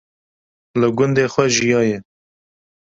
li gundê xwe jiyaye